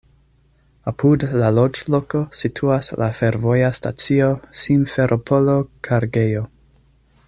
Apud la loĝloko situas la fervoja stacio "Simferopolo-kargejo".